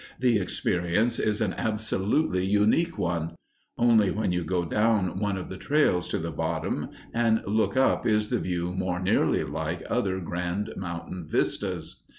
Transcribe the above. The experience is an absolutely unique one. Only when you go down one of the trails to the bottom and look up is the view more nearly like other grand mountain vistas.